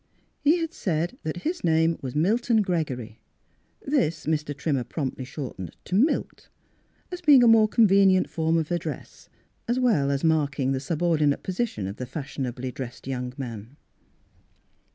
He had said that his name was Milton Gregory; this Mr. Trimmer promptly shortened to " Milt," as being a more convenient form of ad dress as well as marking the subordinate position of the fashionably dressed young man.